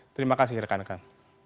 terima kasih rekan rekan